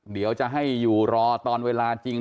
เดี๋ยวจะให้อยู่รอตอนเวลาจริง